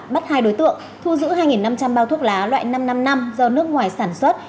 bắt hai đối tượng thu giữ hai năm trăm linh bao thuốc lá loại năm trăm năm mươi năm do nước ngoài sản xuất